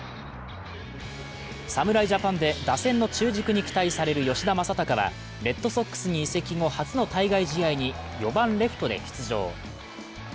侍ジャパンで打線の中軸に期待される吉田正尚はレッドソックスに移籍後初の対外試合に４番・レフトで出場。